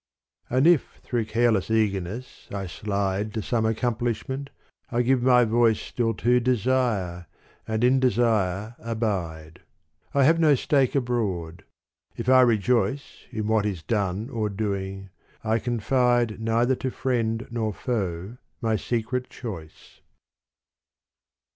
And if through careless eagerness I slide To some accomplishment, I give my voice Still to desire and in desire abide. I have no stake abroad : if I rejoice In what is done or doing, I confide Neither to friend nor foe my secret choice.